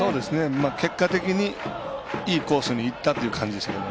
結果的にいいコースにいったという感じでしたけど。